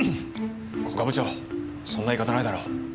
古賀部長そんな言い方ないだろう。